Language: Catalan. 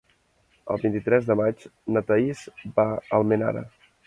El vint-i-tres de maig na Thaís va a Almenara.